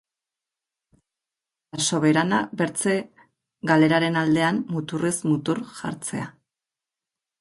La Soberana bertze galeraren aldean muturrez mutur jartzea.